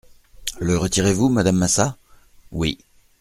Le retirez-vous, madame Massat ? Oui.